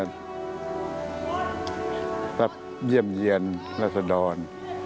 รับเยี่ยมเยี่ยมรัสดอน